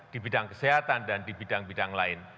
di bidang kesehatan dan di bidang bidang lain